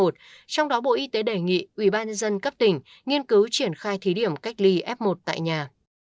trong đó bộ y tế đề nghị ubnd cấp tỉnh nghiên cứu triển khai thí điểm cách ly f một tại nhà